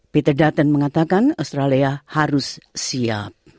peter dutton mengatakan australia harus siap